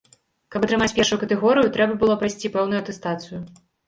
Каб атрымаць першую катэгорыю, трэба было прайсці пэўную атэстацыю.